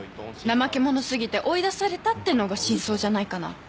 怠け者すぎて追い出されたってのが真相じゃないかな。